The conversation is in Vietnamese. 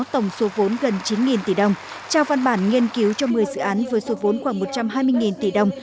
tổng số vốn gần chín tỷ đồng trao văn bản nghiên cứu cho một mươi dự án với số vốn khoảng một trăm hai mươi tỷ đồng